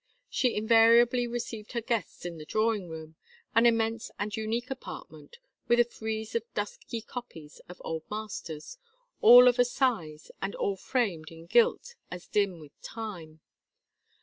She invariably received her guests in the drawing room, an immense and unique apartment, with a frieze of dusky copies of old masters, all of a size, and all framed in gilt as dim with time.